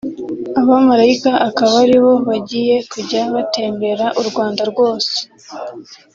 abamarayika akaba ari bo bagiye kujya batembera u Rwanda rwose